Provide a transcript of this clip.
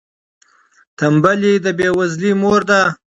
تنبلي د بې وزلۍ مور ده.